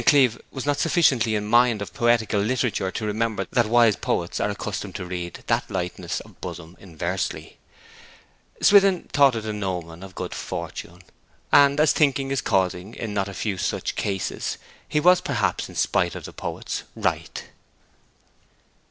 Cleeve was not sufficiently in mind of poetical literature to remember that wise poets are accustomed to read that lightness of bosom inversely. Swithin thought it an omen of good fortune; and as thinking is causing in not a few such cases, he was perhaps, in spite of poets, right.